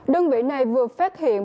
đơn vị này vừa phát hiện